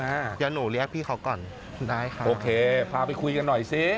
เดี๋ยวหนูเรียกพี่เขาก่อนคุณไอซ์ค่ะโอเคพาไปคุยกันหน่อยสิ